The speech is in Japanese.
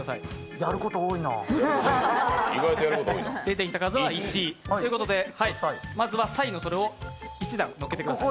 やること多いな出てきた数は１ということでまずはサイのそれを乗せてください。